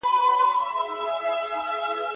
د بې وزلو برخه مه هېروئ.